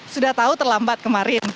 sudah tahu terlambat kemarin